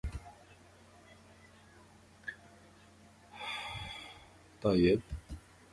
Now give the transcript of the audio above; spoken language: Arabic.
إقامة الأحداث مثل التجمعات العائلية ومباريات كرة القدم للأطفال والمناسبات الأسرية،